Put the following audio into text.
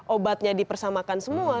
obatnya dipersamakan semua